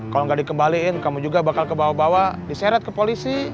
kalau nggak dikembaliin kamu juga bakal kebawa bawa diseret ke polisi